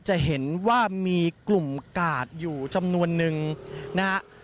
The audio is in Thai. จะเห็นว่ามีกลุ่มกาดอยู่จำนวนนึงนะฮะ